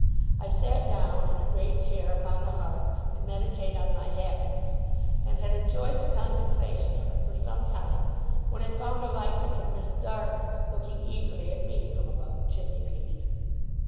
I sat down in a great chair upon the hearth to meditate on my happiness; and had enjoyed the contemplation of it for some time, when I found a likeness of Miss Dartle looking eagerly at me from above the chimney piece.